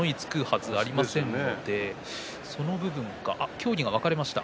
協議が分かれました。